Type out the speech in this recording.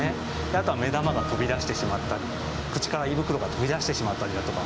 あとは目玉が飛び出してしまったり口から胃袋が飛び出してしまったりだとか